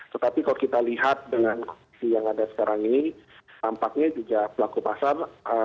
tetapi kalau kita lihat dengan kondisi yang ada sekarang ini tampaknya juga pelaku pasar